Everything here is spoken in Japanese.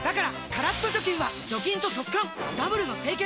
カラッと除菌は除菌と速乾ダブルの清潔！